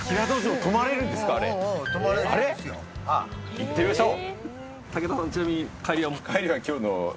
行ってみましょう！